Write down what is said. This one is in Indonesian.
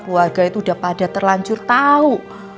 keluarga itu udah pada terlanjur tau